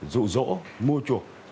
rụ rỗ mua chuộc